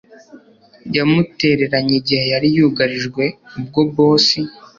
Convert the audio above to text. yamutereranye igihe yari yugarijwe ubwo boss